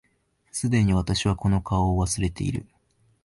既に私はこの顔を忘れている